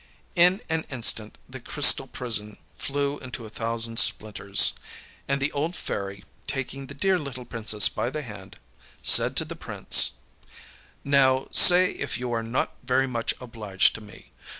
â In an instant the crystal prison flew into a thousand splinters, and the old Fairy, taking the Dear Little Princess by the hand, said to the Prince: âNow, say if you are not very much obliged to me.